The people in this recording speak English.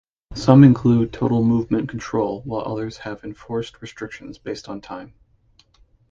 Some include total movement control while others have enforced restrictions based on time.